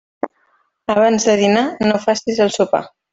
Abans de dinar no faces el sopar.